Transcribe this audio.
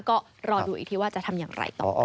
ก็รอดูอีกทีว่าจะทำอย่างไรต่อไป